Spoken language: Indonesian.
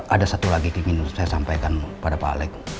ada satu lagi di minum saya sampaikan pada pak alec